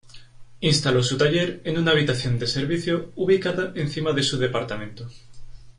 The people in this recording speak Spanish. Instaló su taller en una habitación de servicio ubicada encima de su departamento.